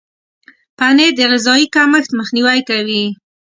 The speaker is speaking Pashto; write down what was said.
پنېر د غذایي کمښت مخنیوی کوي.